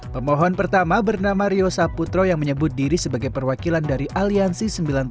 pemohon pertama bernama rio saputro yang menyebut diri sebagai perwakilan dari aliansi sembilan puluh delapan